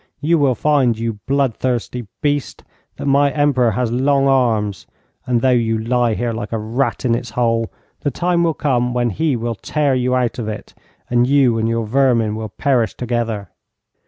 You will find, you bloodthirsty beast, that my Emperor has long arms, and though you lie here like a rat in its hole, the time will come when he will tear you out of it, and you and your vermin will perish together.'